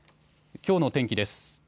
きょうの天気です。